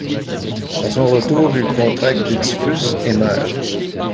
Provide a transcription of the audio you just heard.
À son retour, il contracte le typhus et meurt.